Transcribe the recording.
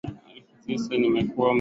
nimekutwa na butwaa kidogo mara baada